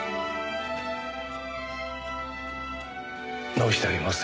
直してあります。